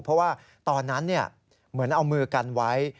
เพราะว่าตอนนั้นเหมือนเอามือกันไว้